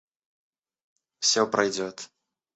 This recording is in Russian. Все пройдет.